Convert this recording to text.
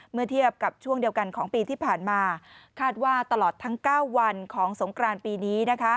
เมื่อเทียบกับช่วงเดียวกันของปีที่ผ่านมาคาดว่าตลอดทั้ง๙วันของสงกรานปีนี้